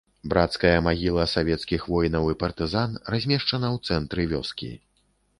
Брацкая магіла савецкіх воінаў і партызан размешчана ў цэнтры вёскі.